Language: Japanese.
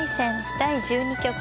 第１２局。